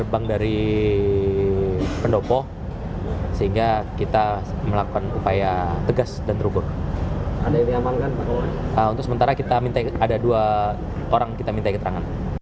masa sempat melakukan aksi dengan merubuhkan